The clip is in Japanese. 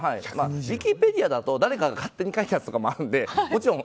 ウィキペディアだと誰かが勝手に書いたのもあるのでん？